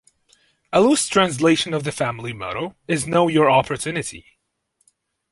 A loose translation of the family motto is Know Your Opportunity.